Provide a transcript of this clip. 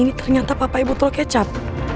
ini ternyata papa ibu tua kecap